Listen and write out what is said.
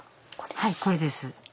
はいこれです。